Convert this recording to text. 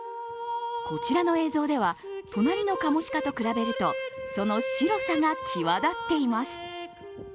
こちらの映像では、隣のカモシカと比べるとその白さが際立っています。